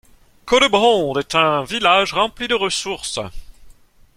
Caudebronde est un village rempli de ressources.